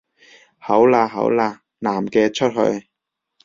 好喇好喇，男嘅出去